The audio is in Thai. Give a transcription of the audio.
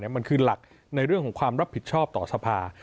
มันคือหลักในเรื่องของความรับผิดชอบต่อสภา